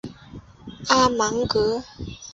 阿芒格。